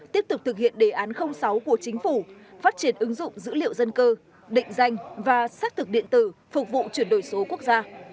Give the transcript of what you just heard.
tiếp tục thực hiện đề án sáu của chính phủ phát triển ứng dụng dữ liệu dân cư định danh và xác thực điện tử phục vụ chuyển đổi số quốc gia